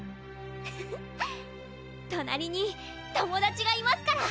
フフフッ隣に友達がいますから！